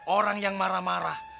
orang yang marah marah